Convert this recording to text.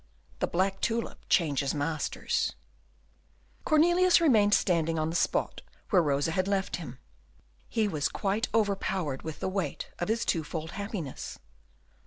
The Black Tulip changes Masters Cornelius remained standing on the spot where Rosa had left him. He was quite overpowered with the weight of his twofold happiness.